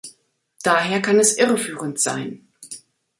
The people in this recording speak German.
Daher kann es irreführend sein.